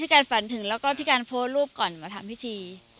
การฝันถึงแล้วก็พี่การโพสต์รูปก่อนมาทำพิธี